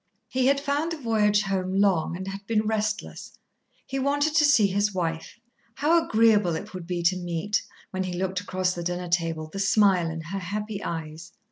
He had found the voyage home long, and had been restless. He wanted to see his wife. How agreeable it would be to meet, when he looked across the dinner table, the smile in her happy eyes.